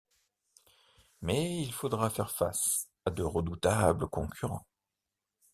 Mais, il faudra faire face à de redoutables concurrents.